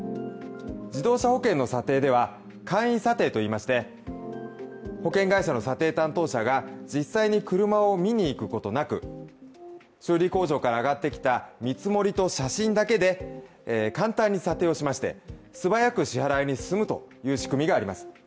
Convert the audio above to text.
自動車保険の査定では、簡易査定といいまして保険会社の査定担当者が実際に車を見にいくことなく、修理工場から上がってきた見積もりと写真だけで簡単に査定をしまして、素早く支払いに進むという仕組みがあります。